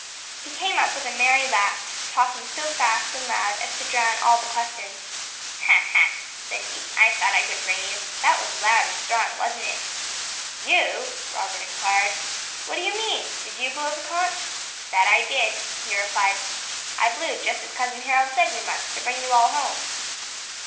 He came up with a merry laugh, talking so fast and loud, as to drown all the questions. "Ha! ha!" said he, "I thought I could bring you! That was loud and strong, wasn't it?" "You!" Robert inquired. "What do you mean? Did you blow the conch?" "That I did," he replied; "I blew just as cousin Harold said we must, to bring you all home."